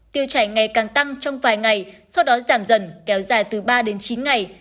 tiêu chảy ngày càng tăng trong vài ngày sau đó giảm dần kéo dài từ ba đến chín ngày